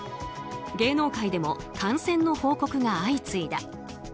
芸能界でも感染の報告が相次いだ。